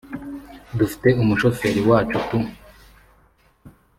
dufite umushoferi wacu tu